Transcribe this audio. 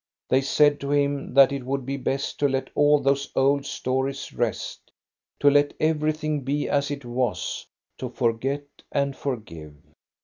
They said to him that it would be best to let all those old stories rest, to let everything be as it was, to forget and forgive.